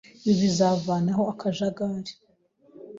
Ibi bizavanaho akajagari